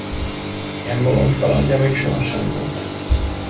Ilyen bolond kalandja még sohasem volt.